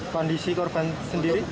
kondisi korban sendiri